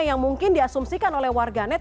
yang mungkin diasumsikan oleh warganet